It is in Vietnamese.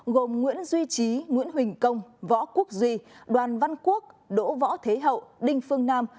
gồm nguyễn duy trí nguyễn huỳnh công võ quốc duy đoàn văn quốc đỗ võ thế hậu đinh phương nam